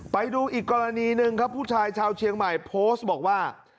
ไปดูอีกกรณีหนึ่งครับผู้ชายชาวเชียงใหม่โพสต์บอกว่า